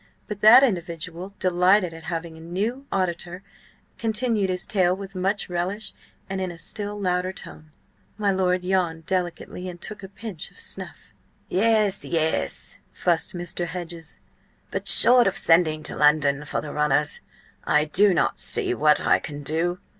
But that individual, delighted at having a new auditor, continued his tale with much relish and in a still louder tone. My lord yawned delicately and took a pinch of snuff. "Yes, yes," fussed Mr. Hedges. "But, short of sending to London for the Runners, I do not see what I can do.